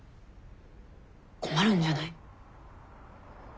困るんじゃない？